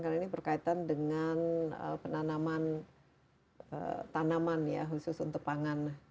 karena ini berkaitan dengan penanaman tanaman ya khusus untuk pangan